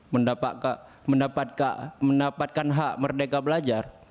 mendapatkan hak merdeka belajar